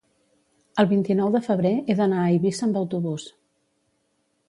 El vint-i-nou de febrer he d'anar a Eivissa amb autobús.